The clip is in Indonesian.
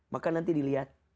maka nanti dilihat